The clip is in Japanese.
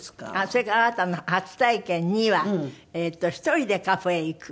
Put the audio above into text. それからあなたの初体験２は１人でカフェへ行く。